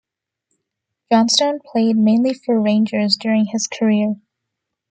Johnstone played mainly for Rangers during his career.